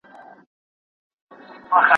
که طبیعت وي نو الهام نه مري.